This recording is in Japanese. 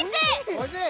おいしい？